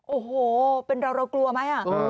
โอ้โหเป็นเรากลัวไหมอ่ะ